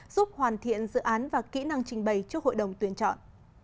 giúp hoàn thiện dự án và kỹ năng trình bày trước hội đồng tuyên chọn